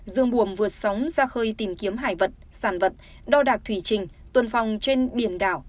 dương bùam vượt sóng ra khơi tìm kiếm hải vật sản vật đo đạc thủy trình tuần phòng trên biển đảo